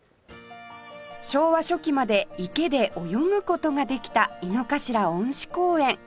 昭和初期まで池で泳ぐ事ができた井の頭恩賜公園